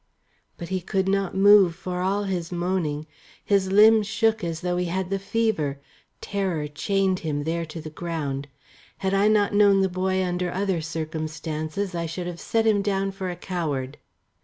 But he could not move for all his moaning. His limbs shook as though he had the fever; terror chained him there to the ground. Had I not known the boy under other circumstances, I should have set him down for a coward.